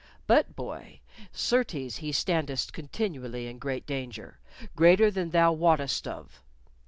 But, boy, certes he standest continually in great danger greater than thou wottest of.